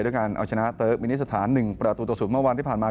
ด้วยการเอาชนะเติร์กมินิสถาน๑ประตูต่อ๐เมื่อวันที่ผ่านมา